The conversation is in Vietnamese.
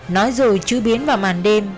nói rồi chứ biến vào màn đêm